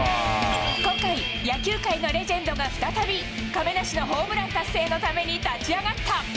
今回、野球界のレジェンドが再び、亀梨のホームラン達成のために立ち上がった。